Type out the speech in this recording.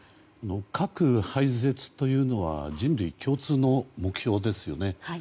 核廃絶というのは人類共通の目標ですよね。